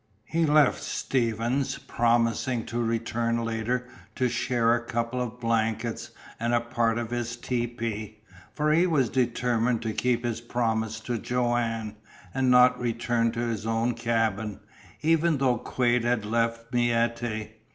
He left Stevens, promising to return later to share a couple of blankets and a part of his tepee, for he was determined to keep his promise to Joanne, and not return to his own cabin, even though Quade had left Miette.